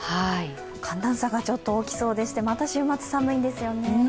寒暖差がちょっと大きそうでして、また週末、寒いんですよね。